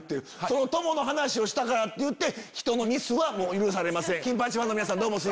「友」の話をしたからって「人」のミスは許されません。